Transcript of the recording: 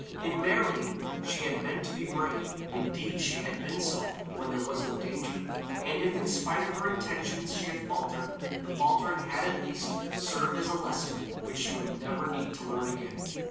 In marrying, she had meant to be brave; indeed, she had been so when there was no danger; and if in spite of her intentions she had faltered, the faltering had at least served as a lesson which she would never need to learn again.